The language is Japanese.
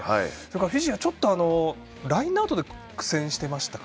フィジーはちょっとラインアウトで苦戦していましたか。